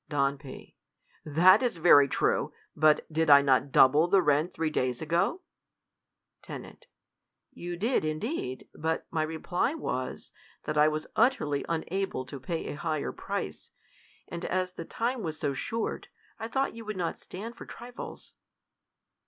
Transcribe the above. Don P, That is very true ; but did I not double the rent three days ago ? Ten, You did, indeed; but my reply was, that I was utterly unable to pay a higher price ; and as the time was so short,. I thought you would not stand for trifles.